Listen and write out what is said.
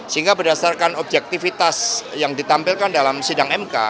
sehingga berdasarkan objektivitas yang ditampilkan dalam sidang mk